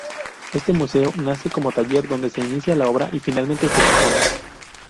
Este museo nace como taller donde se inicia la obra y finalmente se expone.